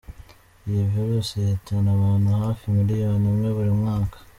Iyi virusi ihitana abantu hafi miliyoni imwe buri mwaka.